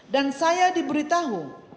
dan saya diberitahu